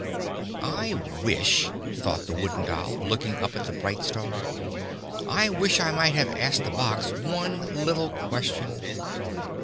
"I wish," thought the Wooden Doll, looking up at the bright star, "I wish I might have asked the box one little question."